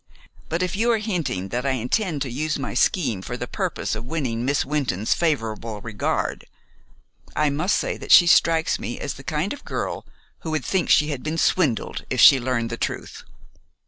But if you are hinting that I intend to use my scheme for the purpose of winning Miss Wynton's favorable regard, I must say that she strikes me as the kind of girl who would think she had been swindled if she learned the truth.